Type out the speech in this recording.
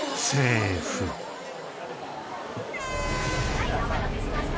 はいお待たせしました